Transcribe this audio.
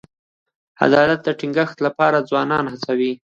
د عدالت د ټینګښت لپاره ځوانان هڅي کوي.